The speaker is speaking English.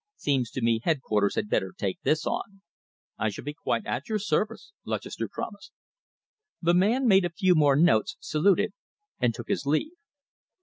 Seems to me headquarters had better take this on." "I shall be quite at your service," Lutchester promised. The man made a few more notes, saluted, and took his leave.